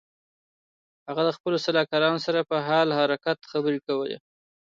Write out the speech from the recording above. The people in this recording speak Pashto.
هغه د خپلو سلاکارانو سره په حال حرکت خبرې کوي.